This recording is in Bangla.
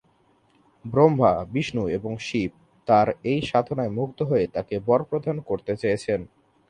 ব্রহ্মা, বিষ্ণু এবং শিব তার এই সাধনায় মুগ্ধ হয়ে তাকে বর প্রদান করতে চেয়েছিলেন।